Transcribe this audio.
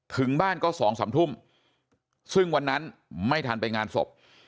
ถึงบ้านก็๒๓ทุ่มซึ่งวันนั้นไม่ทันไปงานศพ